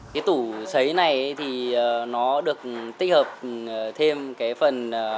cái tủ xấy này thì nó được tích hợp thêm cái phần